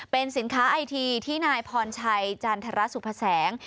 เป็นสินค้าไอทีที่นายพรชัยจันทรสุภแสง